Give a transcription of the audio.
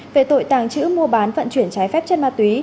về tội tàng trữ mua bán vận chuyển trái phép chất ma túy